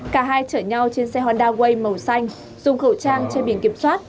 cả hai chở nhau trên xe honda way màu xanh dùng khẩu trang che biển kiểm soát